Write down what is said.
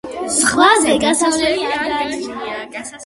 ზღვაზე გასასვლელი არ გააჩნია.